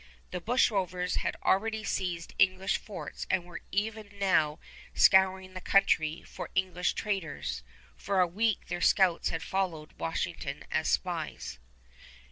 The bushrovers had already seized English forts and were even now scouring the country for English traders. For a week their scouts had followed Washington as spies.